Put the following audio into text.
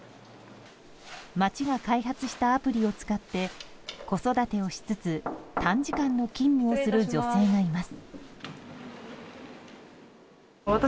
町が開発したアプリを使って子育てをしつつ短時間の勤務をする女性がいます。